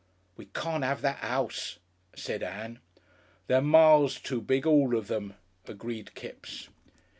"We can't 'ave that 'ouse," said Ann. "They're miles too big all of them," agreed Kipps.